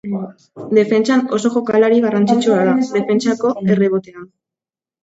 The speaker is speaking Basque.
Defentsan oso jokalari garrantzitsua da, defentsako errebotean.